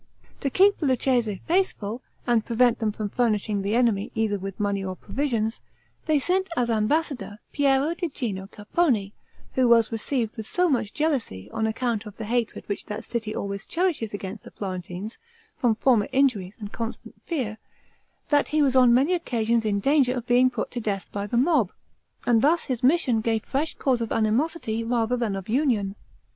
To keep the Lucchese faithful, and prevent them from furnishing the enemy either with money or provisions, they sent as ambassador Piero di Gino Capponi, who was received with so much jealousy, on account of the hatred which that city always cherishes against the Florentines from former injuries and constant fear, that he was on many occasions in danger of being put to death by the mob; and thus his mission gave fresh cause of animosity rather than of union.